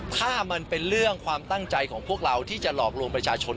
ถ้ามันเป็นเรื่องความตั้งใจของพวกเราที่จะหลอกลวงประชาชน